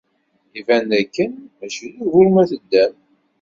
Iban dakken maci d ugur ma teddam.